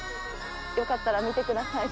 よかったら見てください。